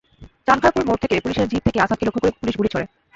চানখাঁরপুল মোড় থেকে পুলিশের জিপ থেকে আসাদকে লক্ষ্য করে পুলিশ গুলি ছোড়ে।